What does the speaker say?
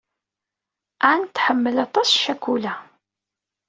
Ann tḥemmel aṭas ccakula.